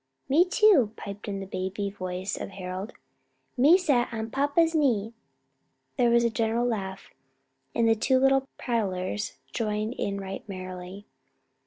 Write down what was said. "Me too," piped the baby voice of Harold, "me sat on papa's knee." There was a general laugh, the two little prattlers joining in right merrily.